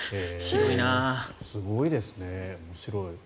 すごいですよね、面白い。